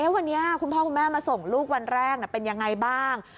วันนี้คุณพ่อคุณแม่มาส่งลูกวันแรกเป็นยังไงบ้าง